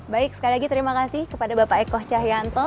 baik sekali lagi terima kasih kepada bapak eko cahyanto